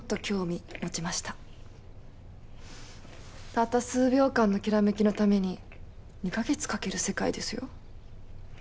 たった数秒間のきらめきのために２カ月かける世界ですよ。